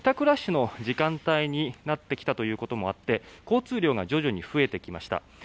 ラッシュの時間帯になってきたということもあって交通量が徐々に増えてきました。